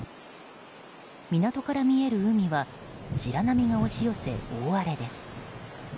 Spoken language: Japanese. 港から見える海は白波が押し寄せ大荒れです。